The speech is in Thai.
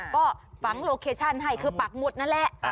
ก็ฝังโลเคชั่นให้คือปักหมดนั่นแหละ